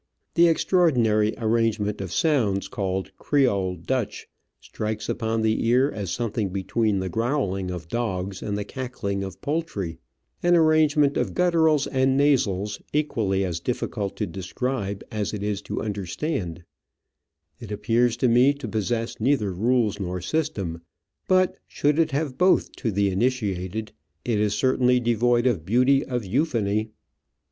The extraordinary arrange ment of sounds called Creole Dutch strikes upon the ear as something between the growling of dogs and the cackling of poultry, an arrangement of gutterals and nasals equally as difficult to describe as it is to understand; it appears to me to possess neither rules nor system, but, should it have both to the initiated, it is certainly devoid of beauty of euphony.